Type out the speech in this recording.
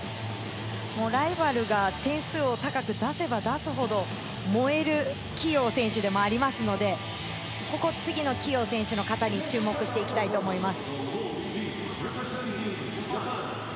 ライバルが点数を高く出せば出すほど、燃える希容選手でもありますので、次の希容選手の形に注目していきたいと思います。